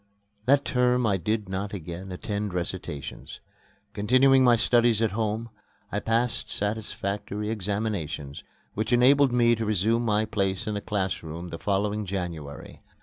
That term I did not again attend recitations. Continuing my studies at home, I passed satisfactory examinations, which enabled me to resume my place in the class room the following January.